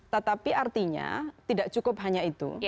tetapi artinya tidak cukup hanya itu